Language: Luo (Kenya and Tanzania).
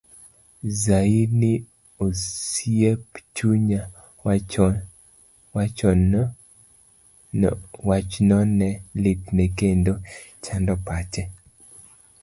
Zaini osiep chunya, wachno ne litne kendo chando pache.